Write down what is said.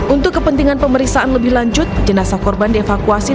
untuk kepentingan pemeriksaan lebih lanjut jenazah korban dievakuasi